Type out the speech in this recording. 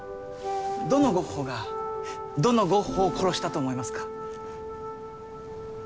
どのゴッホがどのゴッホを殺したと思いますか？